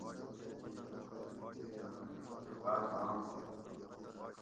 ان مئ اۤ کار باۤر ران پا ھُوت